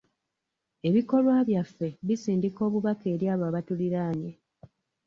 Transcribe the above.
Ebikolwa byaffe bisindika obubaka eri abo abatulinaanye.